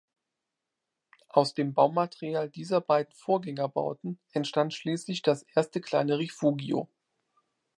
Aus dem Baumaterial dieser beiden Vorgängerbauten entstand schließlich das erste kleine Rifugio.